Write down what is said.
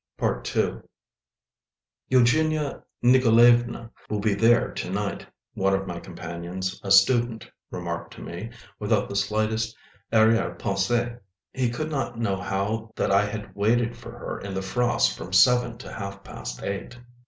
II "Eugenia Nikolaevna will be there to night," one of my companions, a student, remarked to me, without the slightest arrière pensée. He could not know how that I had waited for her in the frost from seven to half past eight.